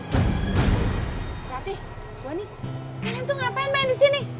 latih boni kalian tuh ngapain main disini